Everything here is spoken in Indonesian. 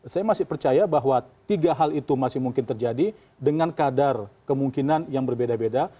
saya masih percaya bahwa tiga hal itu masih mungkin terjadi dengan kadar kemungkinan yang berbeda beda